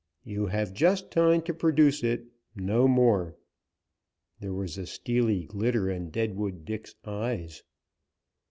"You have just time to produce it, no more." There was a steely glitter in Deadwood Dick's eyes.